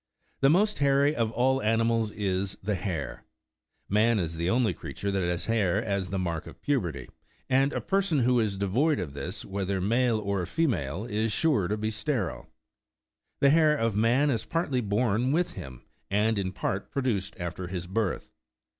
The most hairy of all animals is the hare. Man is the only creature that has hair as the mark of puberty ; and a person who is devoid of this, whether male or female, is sure to be sterile. The hair of man is partly born with him, and in part produced after his birth.